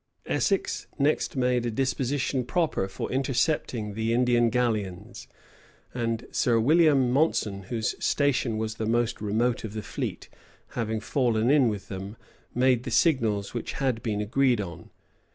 Essex made next a disposition proper for intercepting the Indian galleons; and Sir William Monson, whose station was the most remote of the fleet, having fallen in with them, made the signals which had been agreed on.